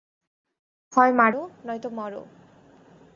হয় মারো নয়তো মরো।